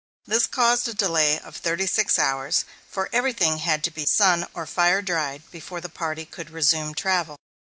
This caused a delay of thirty six hours, for everything had to be sun or fire dried before the party could resume travel.